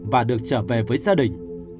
và được trở về với gia đình